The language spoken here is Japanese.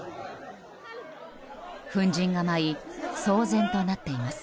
粉塵が舞い騒然となっています。